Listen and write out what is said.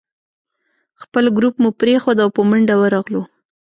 خپل ګروپ مو پرېښود او په منډه ورغلو.